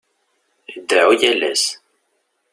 Ideɛɛu yal ass.